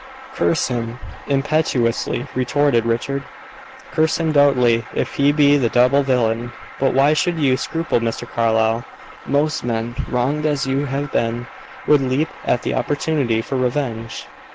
"Curse him!" impetuously retorted Richard. "Curse him doubly if he be the double villain. But why should you scruple Mr. Carlyle? Most men, wronged as you have been, would leap at the opportunity for revenge."